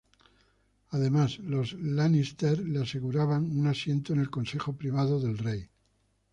Además, los Lannister le aseguraban un asiento en el Consejo Privado del rey.